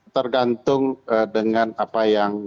tergantung dengan apa yang